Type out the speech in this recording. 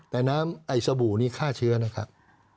แต่น้ำไอ้สบู่นี้ฆ่าเชื้อนะครับ